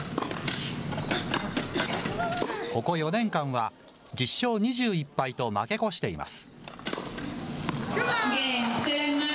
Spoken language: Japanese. ここ４年間は、１０勝２１敗と負け越しています。